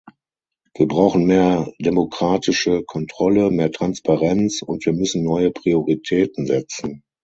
Wir brauchen mehr demokratische Kontrolle, mehr Transparenz, und wir müssen neue Prioritäten setzen.